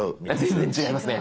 全然違いますね。